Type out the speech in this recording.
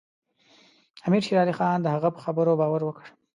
امیر شېر علي خان د هغه په خبرو باور وکړ.